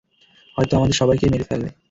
হয়তো আমাদের সবাইকেই মেরে ফেলবে।